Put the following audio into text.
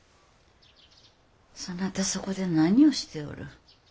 そなたそこで何をしておる。